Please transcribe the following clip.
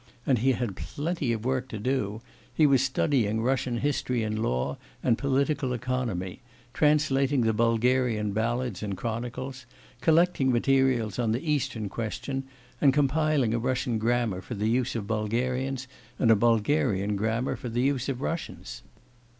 And he had plenty of work to do; he was studying Russian history and law, and political economy, translating the Bulgarian ballads and chronicles, collecting materials on the Eastern Question, and compiling a Russian grammar for the use of Bulgarians, and a Bulgarian grammar for the use of Russians.